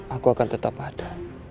aku akan tetap ada